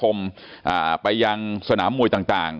รอบน้ำนาคมไปยังสนามมูลต่าง